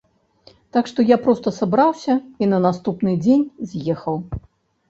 Так што я проста сабраўся і на наступны дзень з'ехаў.